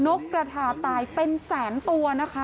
นกกระทาตายเป็นแสนตัวนะคะ